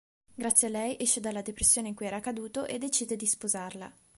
Grazie a lei esce dalla depressione in cui era caduto e decide di sposarla.